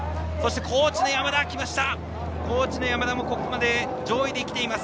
高知の山田もここまで上位で来ています。